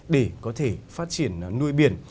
để có thể phát triển nuôi biển